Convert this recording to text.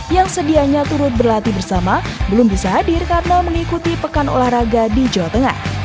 yang sedianya turut berlatih bersama belum bisa hadir karena mengikuti pekan olahraga di jawa tengah